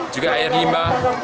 juga air limbah